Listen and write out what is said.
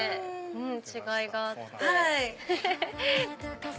違いがあって。